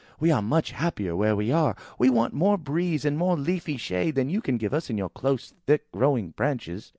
"We are much happier where we are. We want more breeze, and more leafy shade, than you can give us in your close thick growing branches."